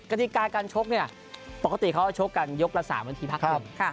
ติกาการชกเนี่ยปกติเขาจะชกกันยกละ๓นาทีพักหนึ่ง